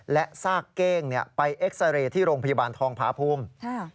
และซากเก้งไปเอ็กซาเรย์ที่โรงพยาบาลทองผาภูมิ